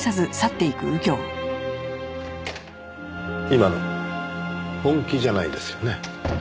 今の本気じゃないですよね？